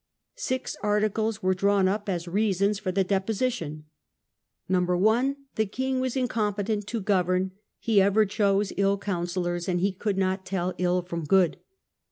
Six articles were t^^eKing. drawn up as reasons for the deposition. (i)The king was incompetent to govern; he ever chose ill counsellors, and could not tell ill from good.